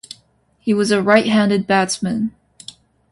He was a right-handed batsman.